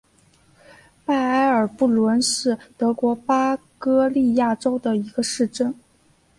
拜埃尔布伦是德国巴伐利亚州的一个市镇。